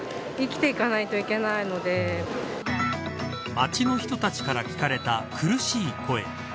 街の人たちから聞かれた苦しい声。